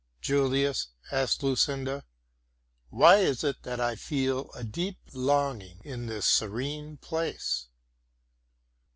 "Julius," asked Lucinda, "why is it that I feel a deep longing in this serene peace?"